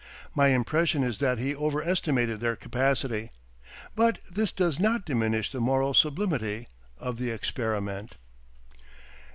My impression is that he over estimated their capacity. But this does not diminish the moral sublimity of the experiment.